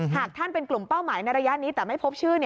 หากท่านเป็นกลุ่มเป้าหมายในระยะนี้แต่ไม่พบชื่อ